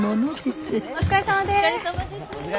お疲れさまです。